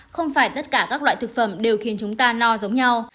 không phải tất cả các loại thực phẩm đều khiến chúng ta no giống nhau